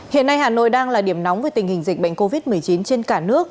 hiện nay hà nội đang là điểm nóng về tình hình dịch bệnh covid một mươi chín trên cả nước